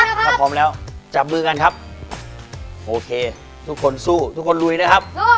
พร้อมแล้วครับพร้อมแล้วจับมือกันครับทุกคนสู้ทุกคนลุยนะครับลุยครับ